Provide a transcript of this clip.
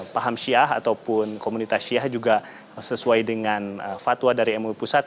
paham syiah ataupun komunitas syiah juga sesuai dengan fatwa dari mui pusat